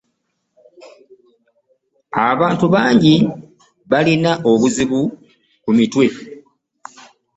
Abantu bangi balina obuzibu ku mitwe.